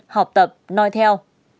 học tập nói theo